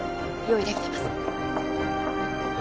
用意できてます